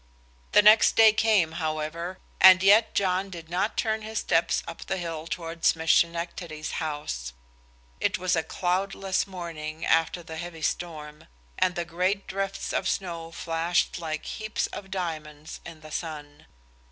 The next day came, however, and yet John did not turn his steps up the hill towards Miss Schenectady's house. It was a cloudless morning after the heavy storm, and the great drifts of snow flashed like heaps of diamonds in the sun.